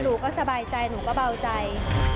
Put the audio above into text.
หนูก็สบายใจหนูก็เบาใจ